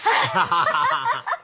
ハハハハハ！